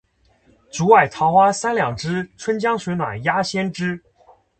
竹外桃花三两枝，春江水暖鸭先知。